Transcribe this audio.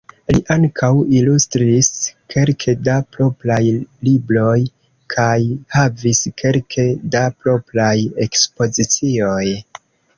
Li ankaŭ ilustris kelke da propraj libroj kaj havis kelke da propraj ekspozicioj.